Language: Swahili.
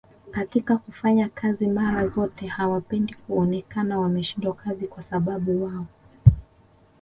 katika kufanya kazi mara zote hawapendi kuonekana wameshindwa kazi kwasababu wao